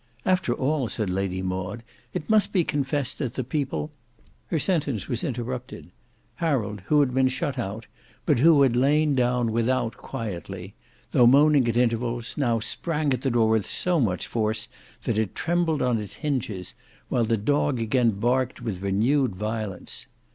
"After all," said Lady Maud, "it must be confessed that the people—" Her sentence was interrupted; Harold who had been shut out but who had laid down without quietly, though moaning at intervals, now sprang at the door with so much force that it trembled on its hinges, while the dog again barked with renewed violence.